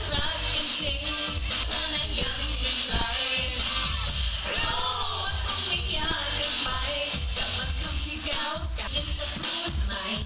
พูดอีกทีพูดอีกทีพูดอีกทีได้หรือเปล่า